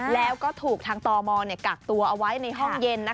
แล้วก็ถูกทางตมกักตัวเอาไว้ในห้องเย็น